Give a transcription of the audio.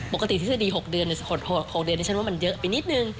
ปกติทฤษฎี๖เดือนในชั้นว่ามันเยอะไปนิดหนึ่ง